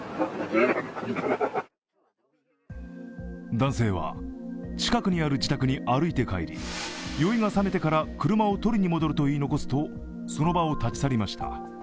男性は近くにある自宅に歩いて帰り酔いがさめてから車を取りに戻ると言い残すとその場を立ち去りました。